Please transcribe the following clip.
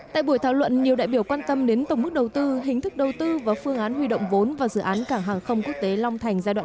tại buổi thảo luận nhiều đại biểu quan tâm đến tổng mức đầu tư hình thức đầu tư và phương án huy động vốn và dự án cảng hàng không quốc tế long thành giai đoạn một